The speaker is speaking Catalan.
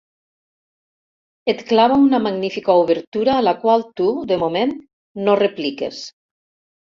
Et clava una magnífica obertura a la qual tu, de moment, no repliques.